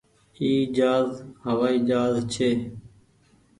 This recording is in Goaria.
اي جهآز هوآئي جهآز ڇي۔